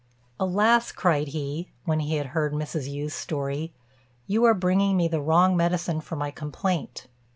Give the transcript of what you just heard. "Alas!" cried he, when he had heard Mrs. Yü's story, "you are bringing me the wrong medicine for my complaint."